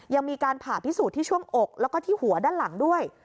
ยังมีการผ่าพิสูจน์ที่ช่วงอกแล้วก็ที่หัวด้านหลังด้วย